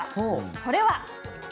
それは。